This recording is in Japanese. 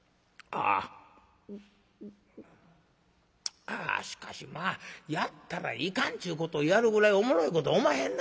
あしかしまあやったらいかんっちゅうことをやるぐらいおもろいことおまへんな。